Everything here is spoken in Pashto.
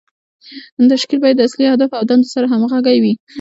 تشکیل باید د اصلي اهدافو او دندو سره همغږی وي.